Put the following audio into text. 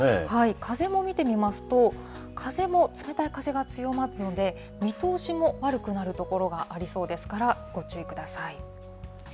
風も見てみますと、風も冷たい風が強まるので、見通しも悪くなる所がありそうですから、ご注意ください。